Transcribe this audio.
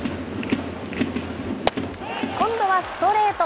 今度はストレート。